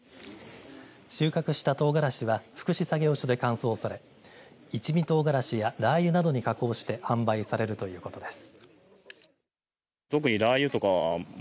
収穫したトウガラシは福祉作業所で乾燥され一味トウガラシやラー油などに加工して販売されるということです。